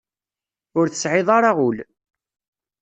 Ur tesɛiḍ ara ul.